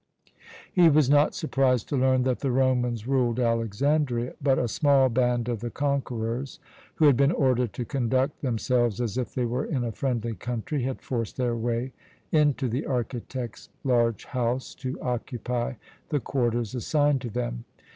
He was not surprised to learn that the Romans ruled Alexandria; but a small band of the conquerors, who had been ordered to conduct themselves as if they were in a friendly country, had forced their way into the architect's large house to occupy the quarters assigned to them.